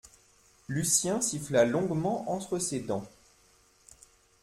Lucien siffla longuement entre ses dents.